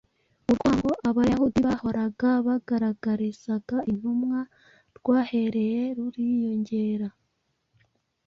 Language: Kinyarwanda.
Urwango Abayahudi bahoraga bagaragarizaga intumwa rwahereyeko ruriyongera.